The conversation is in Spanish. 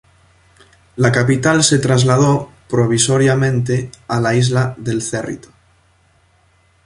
La capital se trasladó provisoriamente a la Isla del Cerrito.